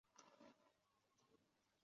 瓦理棕为棕榈科瓦理棕属下的一个种。